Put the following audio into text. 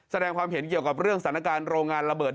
แสดงความเห็นเกี่ยวกับเรื่องสถานการณ์โรงงานระเบิด